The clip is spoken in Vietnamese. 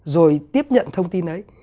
rồi tiếp nhận thông tin ấy